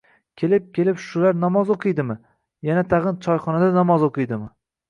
Kelib-kelib, shular namoz o‘qiydimi? Yana-tag‘in, choyxonada namoz o‘qiydimi?